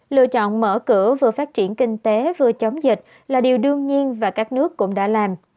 lựa chọn mở cửa vừa phát triển kinh tế vừa chống dịch là điều đương nhiên và các nước cũng đã làm